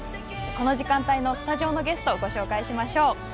この時間帯のスタジオのゲストご紹介しましょう。